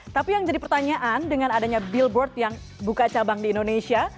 tapi yang jadi pertanyaan dengan adanya billboard yang buka cabang di indonesia